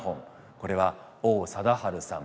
これは王貞治さん